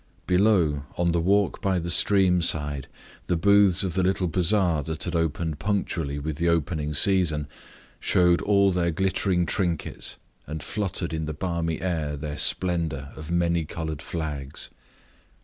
Below, on the walk by the stream side, the booths of the little bazar that had opened punctually with the opening season showed all their glittering trinkets, and fluttered in the balmy air their splendor of many colored flags.